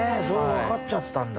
わかっちゃったんだ